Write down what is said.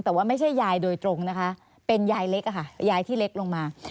แต่ว่าไม่ใช่ยายโดยตรงนะคะเป็นยายเล็กค่ะยายที่เล็กลงมา